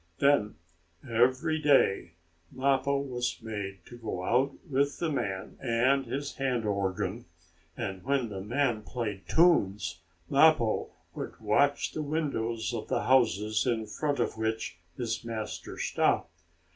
Then, every day, Mappo was made to go out with the man and his hand organ, and when the man played tunes, Mappo would watch the windows of the houses in front of which his master stopped.